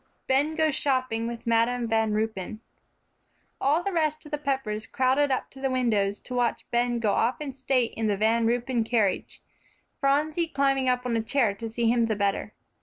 VI BEN GOES SHOPPING WITH MADAM VAN RUYPEN All the rest of the Peppers crowded up to the windows to watch Ben go off in state in the Van Ruypen carriage, Phronsie climbing up on a chair to see him the better.